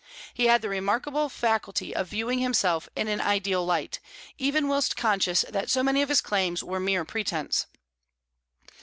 He had the remarkable faculty of viewing himself in an ideal light, even whilst conscious that so many of his claims were mere pretence.